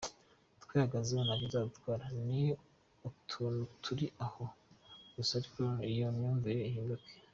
Twihagazeho ntacyo bazadutwara, ni utuntu turi aho gusa ariko iyo myumvire ihinduke.”